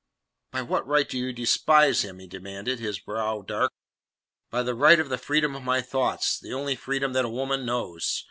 "By what right do you despise him?" he demanded, his brow dark. "By the right of the freedom of my thoughts the only freedom that a woman knows.